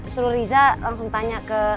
seluruh riza langsung tanya ke